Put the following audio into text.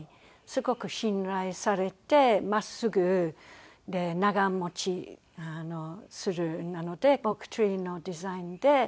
すごく信頼されて真っすぐで長持ちするのでオークツリーのデザインで。